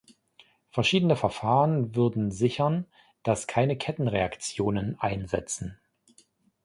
Verschiedene Verfahren würden sichern, dass keine Kettenreaktionen einsetzen.